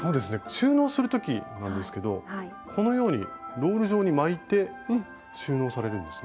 収納する時なんですけどこのようにロール状に巻いて収納されるんですね。